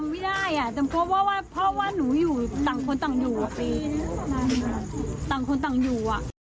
เพราะว่าหนูอยู่ต่างคนต่างอยู่